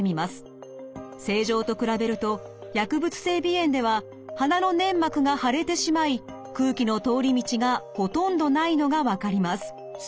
正常と比べると薬物性鼻炎では鼻の粘膜が腫れてしまい空気の通り道がほとんどないのが分かります。